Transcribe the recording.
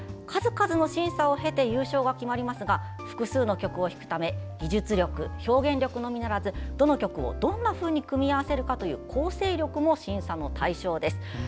数々の審査を経て優勝が決まりますが複数の曲を弾くため技術力、表現力のみならずどの曲をどんなふうに組み合わせるかという構成力も審査の対象です。